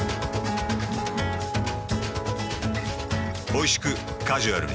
おいしくカジュアルに。